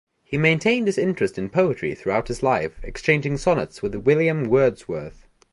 He maintained his interest in poetry throughout his life, exchanging sonnets with William Wordsworth.